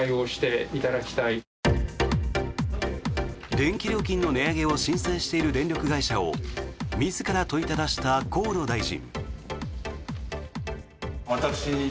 電気料金の値上げを申請している電力会社を自ら問いただした河野大臣。